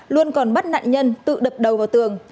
luôn còn bắt nạn nhân tự đập đầu vào tường